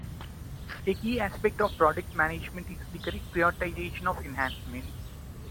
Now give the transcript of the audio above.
A key aspect of Product Management is the correct prioritization of enhancements.